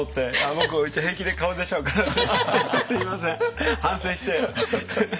僕平気で顔出ちゃうからすみませんすみません反省して。